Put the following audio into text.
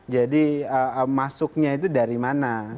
jadi masuknya itu dari mana